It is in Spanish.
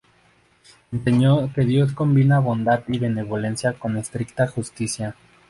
Enseñó que Dios combina Bondad y Benevolencia con estricta Justicia.